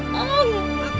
bukannya kamu sudah berubah